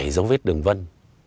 dấu vết đường vân